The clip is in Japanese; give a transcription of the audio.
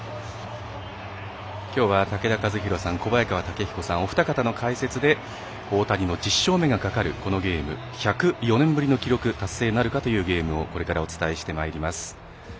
きょうは武田一浩さん小早川毅彦さん、お二方の解説で大谷の１０勝目がかかるこのゲーム１０４年ぶりの記録達成なるかというゲームをお伝えしてまいります。